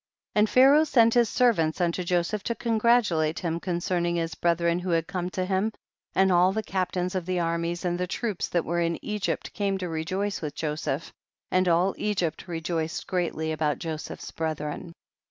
74. And Pharaoh sent his servants unto Joseph to congratulate him concerning his brethren who had come to him, and all the captains of the armies and troops that were in Egypt came to rejoice with Joseph, and all Egypt rejoiced greatly about Joseph's brethren.